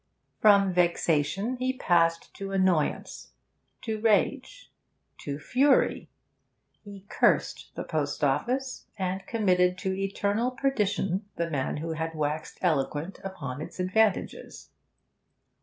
From vexation he passed to annoyance, to rage, to fury; he cursed the post office, and committed to eternal perdition the man who had waxed eloquent upon its advantages.